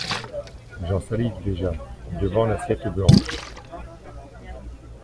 J’en salive déjà, devant l’assiette blanche.